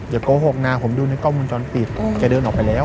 โกหกนะผมดูในกล้องวงจรปิดแกเดินออกไปแล้ว